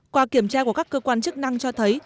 qua kiểm tra của các cơ quan chức năng cho thấy